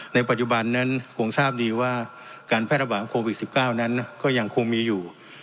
ในปัจจุบันนั้นคงทราบดีว่าการแพร่ระบาดโควิด๑๙นั้นก็ยังคงมีอยู่